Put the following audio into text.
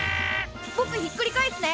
ぼくひっくり返すね。